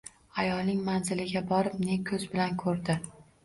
Ayolning manziliga borib ne koʻz bilan koʻrdi.